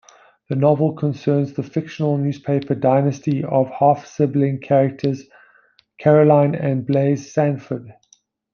The novel concerns the fictional newspaper dynasty of half-sibling characters Caroline and Blaise Sanford.